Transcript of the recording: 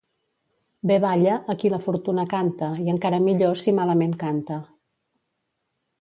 Bé balla a qui la fortuna canta i encara millor si malament canta.